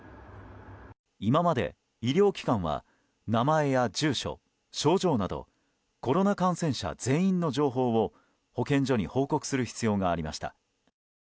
今まで医療機関は名前や住所、症状などコロナ感染者全員の情報を保健所に報告する必要がありました。